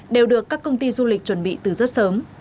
đều được các công ty du lịch chuẩn bị từ rất sớm